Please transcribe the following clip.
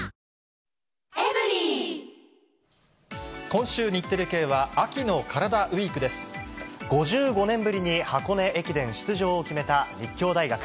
今週、日テレ系は、秋のカラ５５年ぶりに箱根駅伝出場を決めた立教大学。